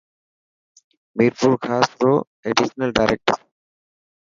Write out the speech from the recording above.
مير پور خاص رو ايڊيشنل ڊائريڪٽر.